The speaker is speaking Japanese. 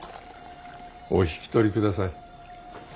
お引き取りください。